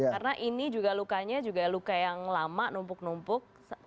karena ini juga lukanya juga luka yang lama numpuk numpuk